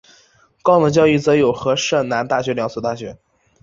高等教育则有和摄南大学两所大学。